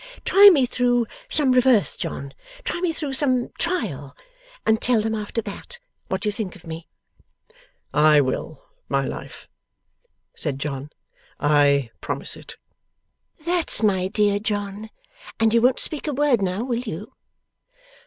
Try me through some reverse, John try me through some trial and tell them after THAT, what you think of me.' 'I will, my Life,' said John. 'I promise it.' 'That's my dear John. And you won't speak a word now; will you?